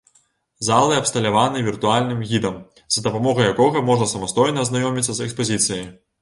Залы абсталяваны віртуальным гідам, з дапамогай якога можна самастойна азнаёміцца з экспазіцыяй.